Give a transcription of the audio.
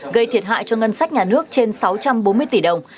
gây thiệt hại cho ngân sách nhà nước trên sáu trăm bốn mươi tỷ đồng